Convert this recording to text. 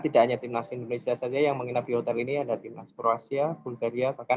tidak hanya timnas indonesia saja yang menginap di hotel ini ada timnas kroasia bulgaria bahkan